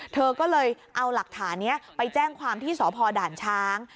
เธอก็เลยเอาหลักฐานนี้ไปแจ้งความที่สพด่านช้าง